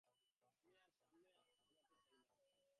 আমি আর সামনে আগাতে চাই না।